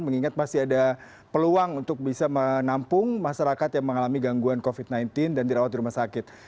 mengingat masih ada peluang untuk bisa menampung masyarakat yang mengalami gangguan covid sembilan belas dan dirawat di rumah sakit